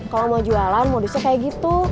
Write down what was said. kalau mau jualan modusnya kayak gitu